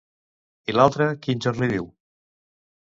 I l'altre quin jorn li diu?